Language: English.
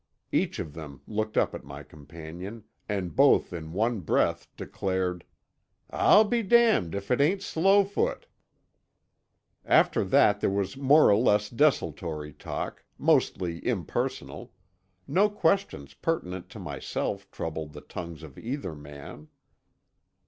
Each of them looked up at my companion, and both in one breath declared: "I'll be damned if it ain't Slowfoot!" After that there was more or less desultory talk, mostly impersonal—no questions pertinent to myself troubled the tongues of either man.